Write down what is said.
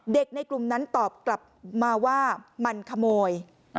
ในกลุ่มนั้นตอบกลับมาว่ามันขโมย